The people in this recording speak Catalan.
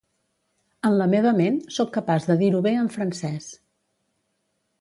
En la meva ment, soc capaç de dir-ho bé en francès.